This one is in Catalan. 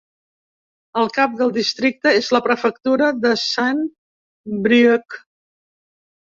El cap del districte és la prefectura de Saint-Brieuc.